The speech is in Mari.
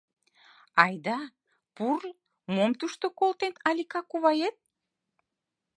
— Айда, пурл, мом тушто колтен Алика кувает.